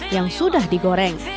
yang sudah digoreng